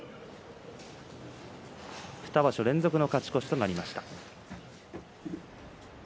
２場所連続の勝ち越しとなりました。